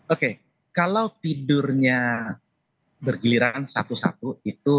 oke kalau tidurnya bergiliran satu satu itu